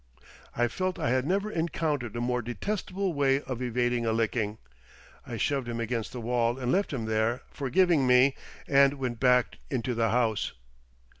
I felt I had never encountered a more detestable way of evading a licking. I shoved him against the wall and left him there, forgiving me, and went back into the house.